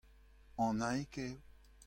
Annaig eo .